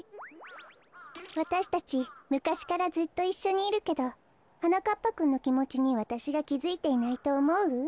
わたしたちむかしからずっといっしょにいるけどはなかっぱくんのきもちにわたしがきづいていないとおもう？